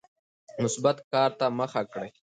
مثبت کار ته مخه کړئ.